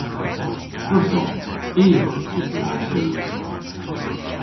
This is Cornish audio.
Gwrussons. I a wrug dybri an keus.